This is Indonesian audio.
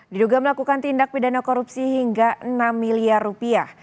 diduga melakukan tindak pidana korupsi hingga enam miliar rupiah